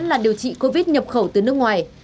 là điều trị covid một mươi chín nhập khẩu từ nước ngoài